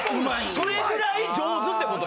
それぐらい上手ってこと。